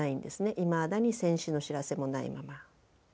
いまだに戦死の知らせもないまま。